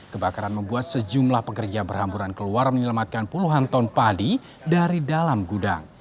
kebakaran membuat sejumlah pekerja berhamburan keluar menyelamatkan puluhan ton padi dari dalam gudang